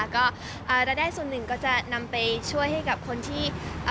ก็รายได้ส่วนหนึ่งก็จะนำไปช่วยให้กับคนที่